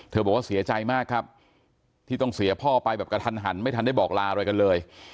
บอกว่าเสียใจมากครับที่ต้องเสียพ่อไปแบบกระทันหันไม่ทันได้บอกลาอะไรกันเลย